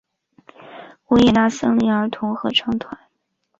维也纳森林儿童合唱团。